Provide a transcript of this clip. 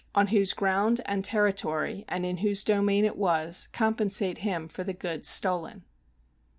on whose ground and territory and in whose domain it was compensate him for the goods stolen.